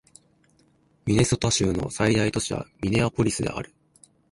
ミネソタ州の最大都市はミネアポリスである